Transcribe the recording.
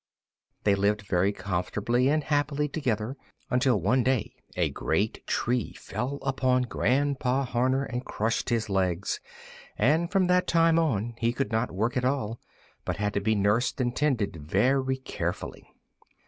They lived very comfortably and happily together until one day a great tree fell upon Grandpa Horner and crushed his legs; and from that time on he could not work at all, but had to be nursed and tended very carefully.